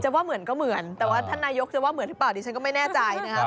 ว่าเหมือนก็เหมือนแต่ว่าท่านนายกจะว่าเหมือนหรือเปล่าดิฉันก็ไม่แน่ใจนะครับ